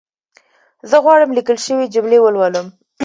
زه غواړم ليکل شوې جملي ولولم